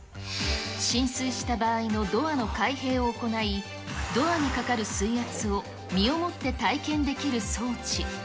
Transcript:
浸水した場合のドアの開閉を行い、ドアにかかる水圧を、身をもって体験できる装置。